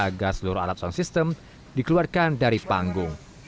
agar seluruh alat sound system dikeluarkan dari panggung